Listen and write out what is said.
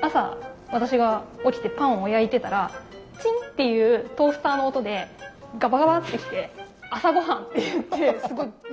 朝私が起きてパンを焼いてたら「チン！」っていうトースターの音でガバガバッて来て朝ごはんっていってすごい。